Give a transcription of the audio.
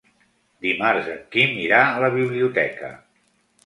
Dimarts en Quim irà a la biblioteca.